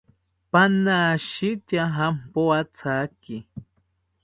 Panashitya jampoathaki